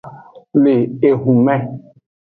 Le ehunme.